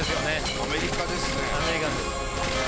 アメリカですね。